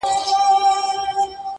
بده خو به شي کنه کهٔ ښه نهٔ شوه